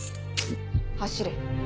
走れ。